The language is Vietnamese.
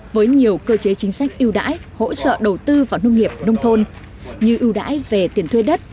với nhiều cơ chế chính sách ưu đãi hỗ trợ đầu tư vào nông nghiệp nông thôn như ưu đãi về tiền thuê đất